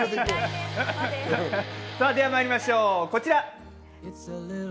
ではまいりましょう、こちら。